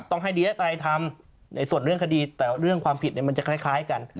ต้องให้เดียไปทำในส่วนเรื่องคดีแต่เรื่องความผิดมันจะคล้ายกัน